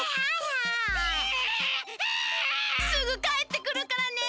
すぐかえってくるからね。